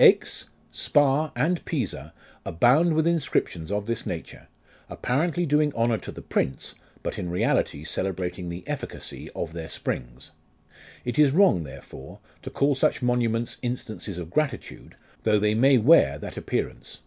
Aix, Spa, and Pisa abound with inscriptions of this nature, appa rently doing honour to the prince, but in reality celebrating the efficacy of their springs. It is wrong, therefore, to call such monuments instances of gratitude, though they may wear that appearance.